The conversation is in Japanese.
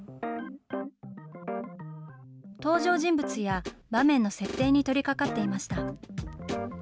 登場人物や場面の設定に取りかかっていました。